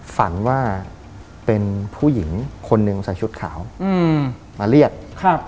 ฝันว่าเป็นผู้หญิงคนหนึ่งใส่ชุดขาวมาเรียก